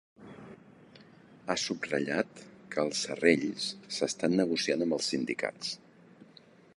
Ha subratllat que els serrells s'estan negociant amb els sindicats.